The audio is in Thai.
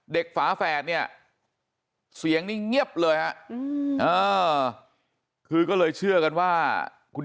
ฝาแฝดเนี่ยเสียงนี่เงียบเลยฮะคือก็เลยเชื่อกันว่าคุณ